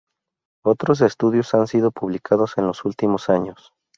Otros estudios han sido publicados en los últimos años.